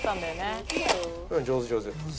上手上手。